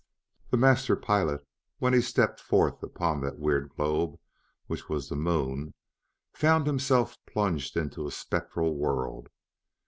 "_ The master pilot, when he stepped forth upon that weird globe which was the Moon, found himself plunged into a spectral world.